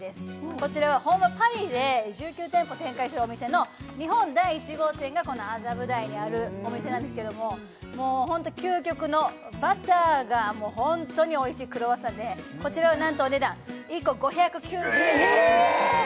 こちらは本場パリで１９店舗展開しているお店の日本第１号店がこの麻布台にあるお店なんですけどももうホント究極のバターがホントにおいしいクロワッサンでこちらはなんとお値段１個５９０円えーっ！